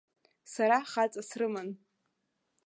Сара хаҵа срыман.